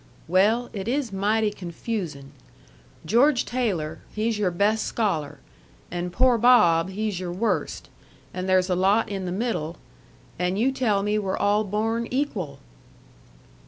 "Well, it is mighty confusin'. George Taylor, he's your best scholar, and poor Bob, he's your worst, and there's a lot in the middle and you tell me we're all born equal!"